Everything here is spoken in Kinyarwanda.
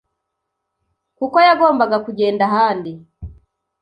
kuko yagombaga kugenda ahandi